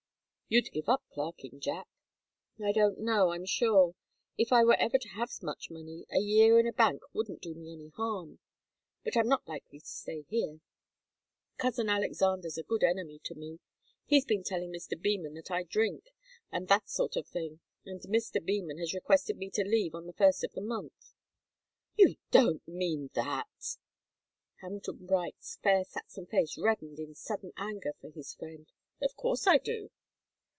You'd give up clerking, Jack." "I don't know, I'm sure. If I were ever to have much money, a year in a bank wouldn't do me any harm. But I'm not likely to stay here. Cousin Alexander's a good enemy to me. He's been telling Mr. Beman that I drink, and that sort of thing, and Mr. Beman has requested me to leave on the first of the month." "You don't mean that?" Hamilton Bright's fair Saxon face reddened in sudden anger for his friend. "Of course I do."